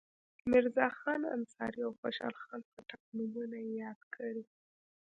میرزاخان انصاري او خوشحال خټک نومونه یې یاد کړي.